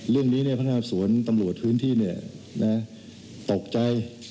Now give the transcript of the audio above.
เรื่องนี้เนี่ยพระนามสวนตำรวจพื้นที่เนี่ยตกใจ